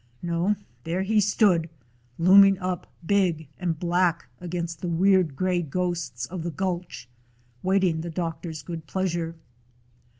No, there he stood, looming up big and black against the weird gray ghosts of the gulch, waiting the doctor's good pleasure.